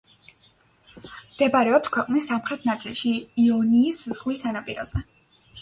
მდებარეობს ქვეყნის სამხრეთ ნაწილში, იონიის ზღვის სანაპიროზე.